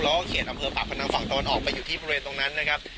แล้วก็เขตอำเภอปากพนังฝั่งตะวันออกไปอยู่ที่บริเวณตรงนั้นนะครับ